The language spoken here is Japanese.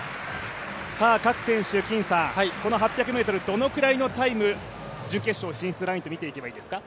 各選手、この８００ｍどのぐらいのタイムを準決勝進出ラインと見ていけばいいですか？